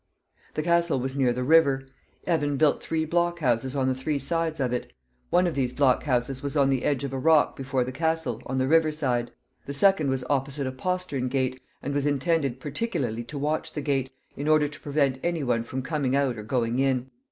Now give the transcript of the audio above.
The castle was near the river. Evan built three block houses on the three sides of it. One of these block houses was on the edge of a rock before the castle, on the river side. The second was opposite a postern gate, and was intended particularly to watch the gate, in order to prevent any one from coming out or going in.